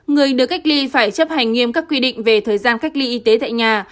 người được cách ly phải chấp hành nghiêm các quy định về thời gian cách ly y tế tại nhà